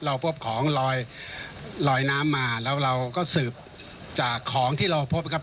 พบของลอยลอยน้ำมาแล้วเราก็สืบจากของที่เราพบนะครับ